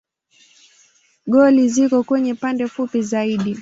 Goli ziko kwenye pande fupi zaidi.